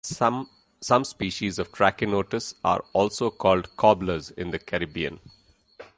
Some species of "Trachinotus" are also called "cobblers" in the Caribbean.